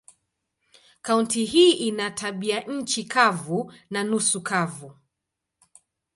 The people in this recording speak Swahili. Kaunti hii ina tabianchi kavu na nusu kavu.